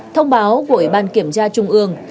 thông báo của ủy ban kiểm tra trung ương